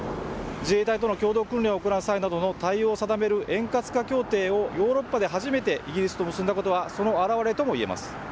自衛隊との共同訓練を行う際などの対応を定める円滑化協定をヨーロッパで初めてイギリスと結んだことはその表れといえます。